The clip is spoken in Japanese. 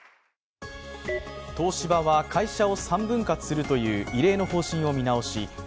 東芝は会社を３分割するという異例の方針を見直し